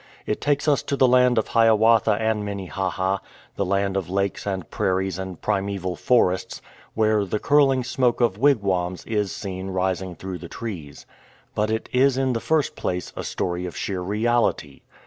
It takes us to the land of Hiawatha and Minnehaha, the land of lakes and prairies and primeval forests, where "the curling smoke of wigwams" is seen rising through the trees. But it is in the first place a story of sheer reality.